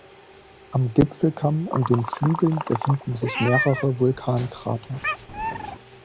Am Gipfelkamm und den Flügeln befinden sich mehrere Vulkankrater.